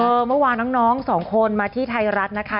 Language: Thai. เมื่อวานน้องสองคนมาที่ไทยรัฐนะคะ